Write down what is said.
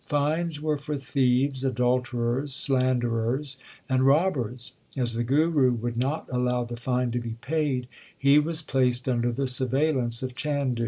Fines were for thieves, adulterers, slanderers, and robbers. As the Guru would not allow the fine to be paid, he was placed under the surveillance of Chandu.